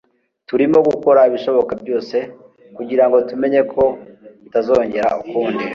Turimo gukora ibishoboka byose kugirango tumenye ko bitazongera ukundi.